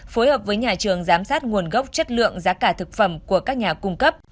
phối hợp với nhà trường giám sát nguồn gốc chất lượng giá cả thực phẩm của các nhà cung cấp